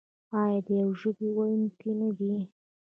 آیا د یوې ژبې ویونکي نه دي؟